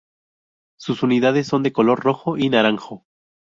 Sus unidades son de color rojo y naranjo.